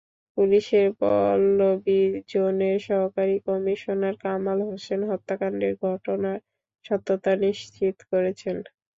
পুলিশের পল্লবী জোনের সহকারী কমিশনার কামাল হোসেন হত্যাকাণ্ডের ঘটনার সত্যতা নিশ্চিত করেছেন।